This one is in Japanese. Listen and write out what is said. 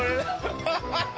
ハハハハ！